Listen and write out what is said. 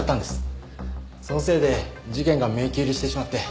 そのせいで事件が迷宮入りしてしまって。